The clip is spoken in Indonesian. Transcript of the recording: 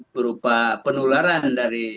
berupa penularan dari